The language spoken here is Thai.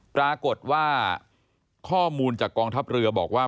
ปรากฏว่าข้อมูลจากกองทัพเรือบอกว่า